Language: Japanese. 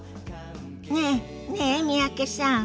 ねえねえ三宅さん。